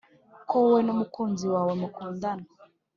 ko wowe n’umukunzi wawe mukundana